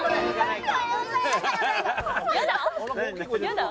「やだ」？